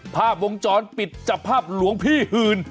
ภาพวงจรปิดจับภาพหลวงพี่หื่น